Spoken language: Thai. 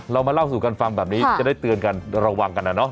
เรามาเล่าสู่กันฟังแบบนี้จะได้เตือนกันระวังกันนะเนาะ